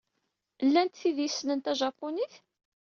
Llant tid ay yessnen tajapunit?